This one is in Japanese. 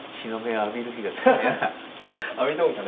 浴びとんかな？